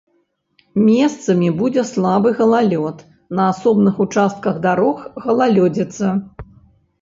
Месцамі будзе слабы галалёд, на асобных участках дарог галалёдзіца.